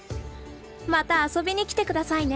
また遊びに来て下さいね。